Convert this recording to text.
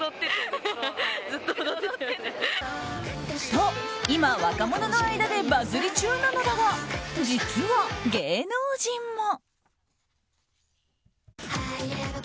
と、今若者の間でバズり中なのだが実は芸能人も。